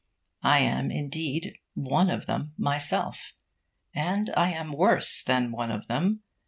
I am, indeed, one of them myself. And I am worse than one of them.